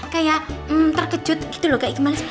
kayak terkejut gitu loh kayak gimana sih